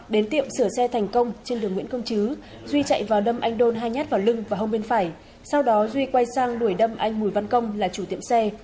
đến tiệm sửa xe thành công trên đường nguyễn công chứ duy chạy vào đâm anh đôn hai nhát vào lưng và hông bên phải sau đó duy quay sang đuổi đâm anh bùi văn công là chủ tiệm xe